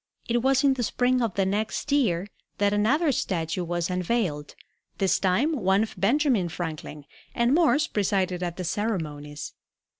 It was in the spring of the next year that another statue was unveiled, this time one of Benjamin Franklin, and Morse presided at the ceremonies.